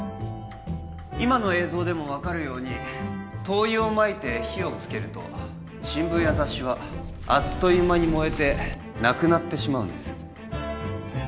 今の映像でも分かるように灯油をまいて火をつけると新聞や雑誌はあっという間に燃えてなくなってしまうんです